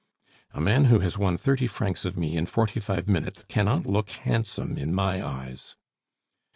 "A man who has won thirty francs of me in forty five minutes cannot look handsome in my eyes."